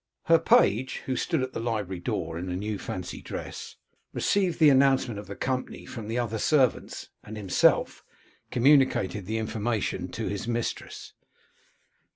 Her page, who stood at the library door in a new fancy dress, received the announcement of the company from the other servants, and himself communicated the information to his mistress.